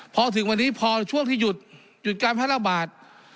พอถึงวันนี้พอช่วงที่หยุดหยุดการแพร่ระบาด